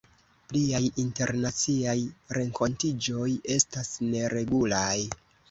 Pliaj internaciaj renkontiĝoj estas neregulaj.